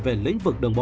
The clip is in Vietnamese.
về lĩnh vực đồng bộ